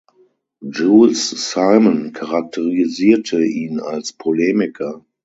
Jules Simon charakterisierte ihn als „Polemiker“.